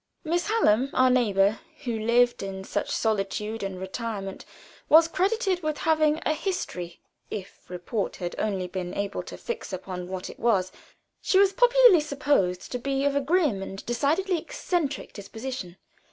Miss Hallam, our neighbor, who lived in such solitude and retirement, was credited with having a history if report had only been able to fix upon what it was. She was popularly supposed to be of a grim and decidedly eccentric disposition.